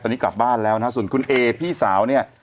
ตอนนี้กลับบ้านแล้วนะฮะส่วนคุณเอพี่สาวเนี่ย